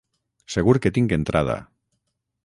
Segur que tinc entrada.